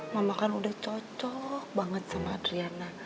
mama kan udah cocok banget sama adriana